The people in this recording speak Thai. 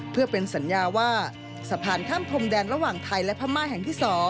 เพื่อเป็นสัญญาว่าสะพานข้ามพรมแดนระหว่างไทยและพม่าแห่งที่๒